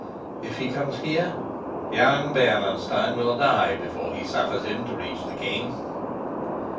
"If he comes here?" "Young Bernenstein will die before he suffers him to reach the king."